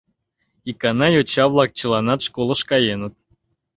Икана йоча-влак чыланат школыш каеныт.